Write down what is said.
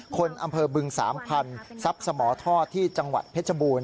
คนอำเภอบึง๓๐๐๐ซับสมทรที่จังหวัดเพชรบูน